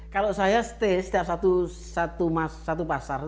kalau saya stay setiap satu pasar